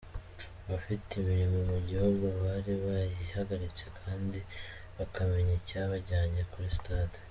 Abafite imirimo mu gihugu bari bayihagaritse, kandi bakamenya icyabajyanye kuri stade.